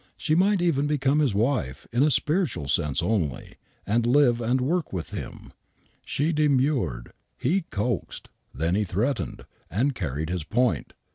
She might even l^ecome his wife, in a spiritual sense only, and live and work wit him. She demurred. He coaxed; then he threatened, and carried his point.